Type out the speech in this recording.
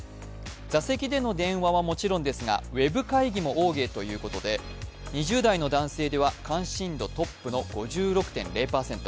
座席での電話はもちろんですが、ウェブ会議もオーケーということで、２０代の男性では関心度トップの５６．０％。